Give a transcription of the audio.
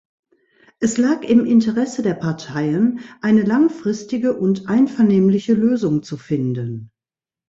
Es lag im Interesse der Parteien, eine langfristige und einvernehmliche Lösung zu finden.